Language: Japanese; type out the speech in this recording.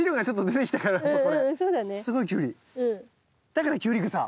だからキュウリグサ。